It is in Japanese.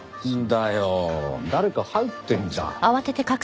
なんだよ誰か入ってるじゃん。